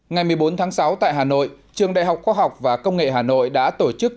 ngày một mươi bốn tháng sáu tại hà nội trường đại học khoa học và công nghệ hà nội đã tổ chức